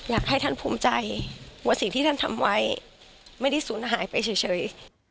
อยากให้ท่านภูมิใจว่าสิ่งที่ท่านทำไว้ไม่ได้สูญหายไปเฉย